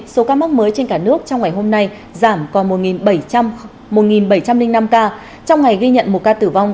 số ca mắc mới trên cả nước trong ngày hôm nay giảm còn một bảy trăm linh năm ca trong ngày ghi nhận một ca tử vong